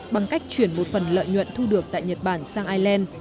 bằng cách chuyển một phần lợi nhuận thu được tại nhật bản sang ireland